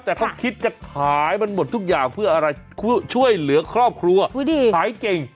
แต่เขาคิดจะขายมันหมดทุกอย่างเพื่ออะไรช่วยเหลือครอบครัวขายเก่ง